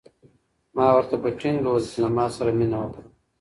ما ورته په ټینګه وویل چې له ما سره مینه وکړه.